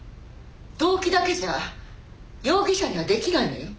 動機だけじゃ容疑者には出来ないのよ。